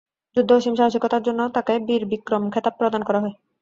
যুদ্ধে অসীম সাহসিকতার জন্য তাঁকে বীর বিক্রম খেতাব প্রদান করা হয়।